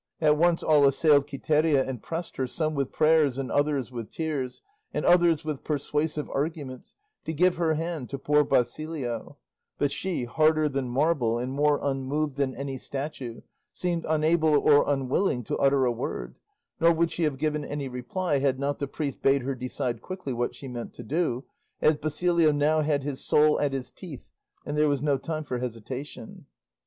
At once all assailed Quiteria and pressed her, some with prayers, and others with tears, and others with persuasive arguments, to give her hand to poor Basilio; but she, harder than marble and more unmoved than any statue, seemed unable or unwilling to utter a word, nor would she have given any reply had not the priest bade her decide quickly what she meant to do, as Basilio now had his soul at his teeth, and there was no time for hesitation.